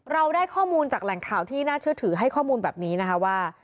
เราได้ข้อมูลจากแหล่งข่าวที่น่าเชื่อถือให้ข้อมูลแบบนี้นะคะว่า